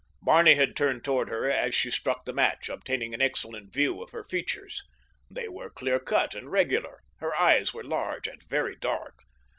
Barney had turned toward her as she struck the match, obtaining an excellent view of her features. They were clear cut and regular. Her eyes were large and very dark.